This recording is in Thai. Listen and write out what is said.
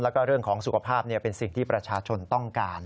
แล้วก็เรื่องของสุขภาพเป็นสิ่งที่ประชาชนต้องการ